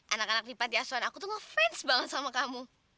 anak anak di pantiasuan aku tuh ngefans banget sama kamu